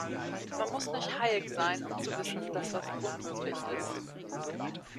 Man muss nicht Hayek sein, um zu wissen, dass das unmöglich ist.